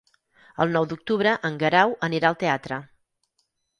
El nou d'octubre en Guerau anirà al teatre.